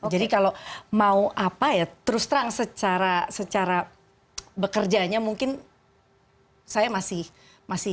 jadi kalau mau apa ya terus terang secara bekerjanya mungkin saya masih belum